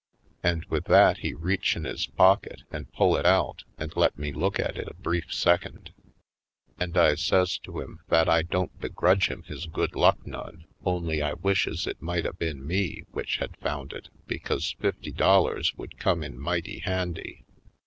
And with that he reach in his pocket and pull it out and let me look at it a brief second. And I says to him that I don't be grudge him his good luck none, only I wishes it might a been me which had found it, because fifty dollars would come in mighty handy.